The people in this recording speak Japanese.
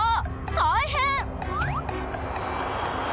たいへん！